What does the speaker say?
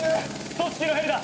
組織のヘリだ。